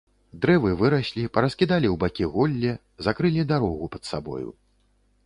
Дрэвы выраслі, параскідалі ў бакі голле, закрылі дарогу пад сабою.